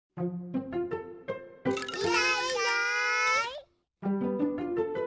いないいない。